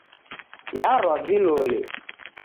Narwa vilole